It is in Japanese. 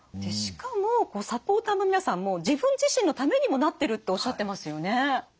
しかもサポーターの皆さんも自分自身のためにもなってるっておっしゃってますよね。